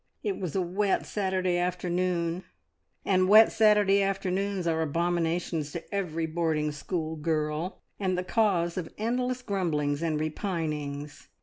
It was a wet Saturday afternoon, and wet Saturday afternoons are abominations to every boarding school girl, and the cause of endless grumblings and repinings.